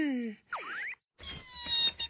ピピピピピ。